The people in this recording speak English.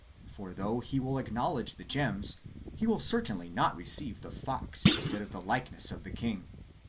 For, thoucrh he will acknowledge the gems, he will certainly not receive the fox instead of the likeness of the kinfy.